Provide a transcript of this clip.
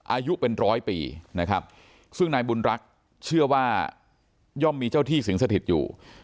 อายุเป็นร้อยปีนะครับซึ่งนายบุญรักษ์เชื่อว่าย่อมมีเจ้าที่สิงสถิตอยู่